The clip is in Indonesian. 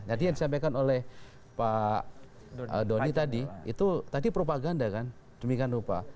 jadi yang disampaikan oleh pak doni tadi itu tadi propaganda kan demikian rupa